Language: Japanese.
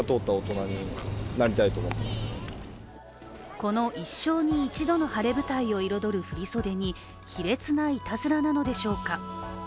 この一生に一度の晴れ舞台を彩る振り袖に卑劣ないたずらなのでしょうか。